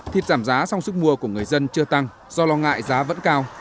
thịt giảm giá song sức mua của người dân chưa tăng do lo ngại giá vẫn cao